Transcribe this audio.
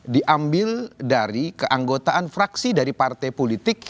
diambil dari keanggotaan fraksi dari partai politik